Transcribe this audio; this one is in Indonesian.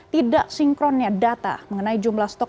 tidak sinkronnya data mengenai jumlah stok